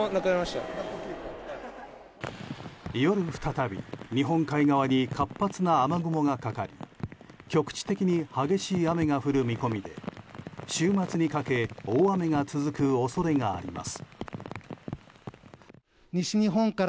夜、再び日本海側に活発な雨雲がかかり局地的に激しい雨が降る見込みで週末にかけ大雨が続く恐れがあります。